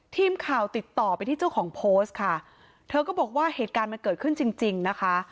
ทีมข่าวติดต่อไปที่เจ้าของโพสต์ค่ะเธอก็บอกว่าเหตุการณ์มันเกิดขึ้นจริงจริงนะคะ